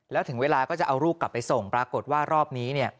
แล้วถึงเวลาก็จะเอาลูกกลับไปส่งปรากฏว่ารอบนี้เนี่ย